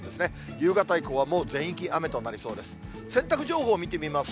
夕方以降はもう全域雨となりそうです。